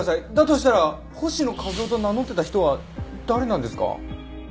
としたら星野一男と名乗ってた人は誰なんですか？